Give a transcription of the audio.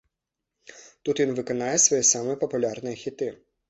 Тут ён выканае свае самыя папулярныя хіты.